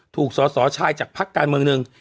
ถูกสอสอชายจากพักการเมืองหนึ่ง